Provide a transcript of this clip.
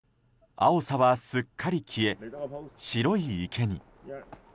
青さはすっかり消え白い池に。